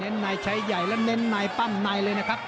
นายใช้ใหญ่และเน้นในปั้มในเลยนะครับ